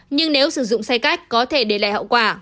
nhưng nếu sử dụng sai cách có thể để lại hậu quả